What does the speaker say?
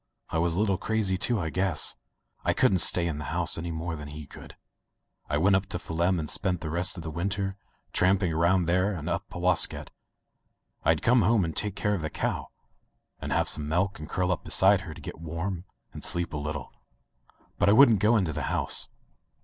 I was a little crazy too, I guess. I couldn't stay in [ 294 ] Digitized by LjOOQ IC Son of the Woods the house any more than he could, I went up on Phelim and spent the rest of the win ter tramping around there and up Powasket. Fd come home and take care of die cow, and have some milk and curl up beside her to get warm and sleep a litde. But I wouldn't go into the house.